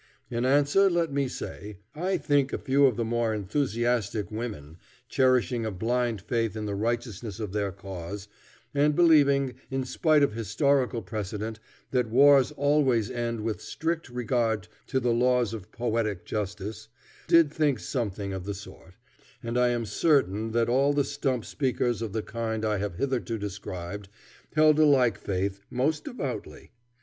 In answer let me say, I think a few of the more enthusiastic women, cherishing a blind faith in the righteousness of their cause, and believing, in spite of historical precedent, that wars always end with strict regard to the laws of poetic justice, did think something of the sort; and I am certain that all the stump speakers of the kind I have hitherto described held a like faith most devoutly.